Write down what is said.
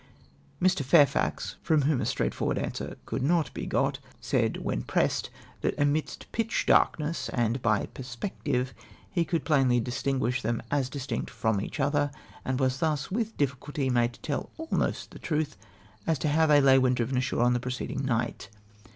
'' Mr. Fairfax — from whom a straio htforward answer THE IXQIHRY ]\[ADE TO REST OX THESE MEN. 75 could not be got — said, wliuii pressed, that aniid: t jyitch darkness, and by ^'perspective " lie could plainly distinguish them as distinct from each other ; and was thus, with difficulty, made to tell almost the truth as to how they lay when driven ashore on the preceding night.